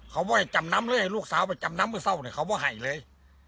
เขาว่าให้จำน้ำเลยให้ลูกสาวไปจำนำเมื่อเศร้าเนี่ยเขาก็ให้เลย